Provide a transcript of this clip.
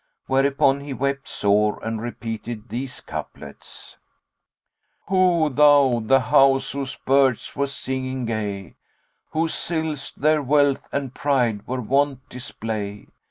Whereupon he wept sore and repeated these couplets, "Ho thou, the house, whose birds were singing gay, * Whose sills their wealth and pride were wont display!